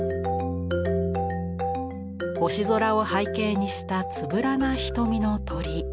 星空を背景にしたつぶらな瞳の鳥。